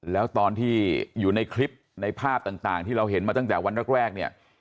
แล้วตอนที่อยู่ในคลิปในภาพต่างที่เราเห็นมาตั้งแต่วันแรกเนี่ย